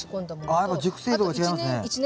やっぱ熟成度が違いますね。